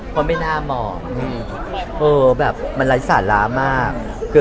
เพราะไม่น่ามองแบบมันไร้สาระมาก